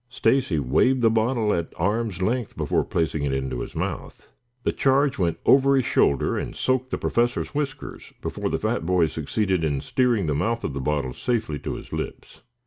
Stacy waved the bottle at arm's length before placing it to his mouth. The charge went over his shoulder and soaked the Professor's whiskers before the fat boy succeeded in steering the mouth of the bottle safely to his lips.